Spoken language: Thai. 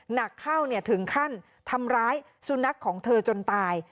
หนักเข้าถึงขั้นทำร้ายสุนัขของเธอจนตาย